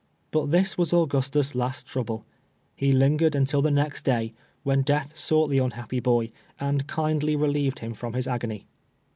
But this was Auy ustus' last trouble. He lin£>;ered until the next day, when death sought the unhappy boy, and kindly relieved him from his agony.